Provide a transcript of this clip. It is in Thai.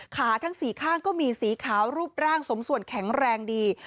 ทั้ง๔ข้างก็มีสีขาวรูปร่างสมส่วนแข็งแรงดี